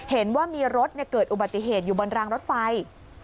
เห็นว่ามีรถเกิดอุบัติเหตุอยู่บนรางรถไฟ